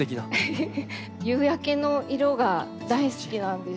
夕焼けの色が大好きなんです。